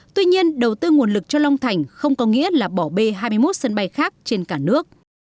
tuy nhiên đầu tư nguồn lực cho long thành không có nghĩa là bỏ bê hai mươi một sân bay khác trên cả nước